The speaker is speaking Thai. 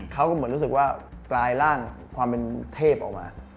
เขาก็เหมือนรู้สึกว่ากลายร่างความเป็นเทพออกมา